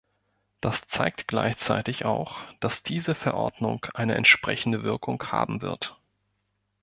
Das zeigt gleichzeitig auch, dass diese Verordnung eine entsprechende Wirkung haben wird.